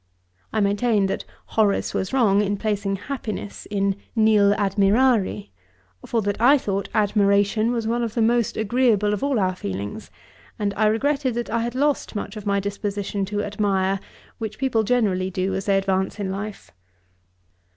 I maintained that Horace was wrong in placing happiness in Nil admirari, for that I thought admiration one of the most agreeable of all our feelings; and I regretted that I had lost much of my disposition to admire, which people generally do as they advance in life.